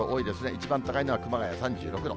一番高いのは熊谷で３６度。